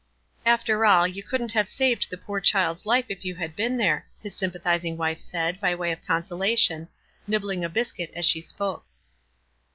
"After all, you couldn't have saved the poor child's life if you had been there," his sympa thizing wife said, by way of consolation, nib bling a biscuit as she spoke.